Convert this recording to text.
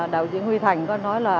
đạo diễn huy thành có nói là